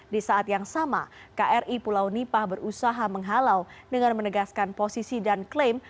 di saat yang sama kri pulau nipah berusaha menghalau dengan menegaskan posisi dan klaim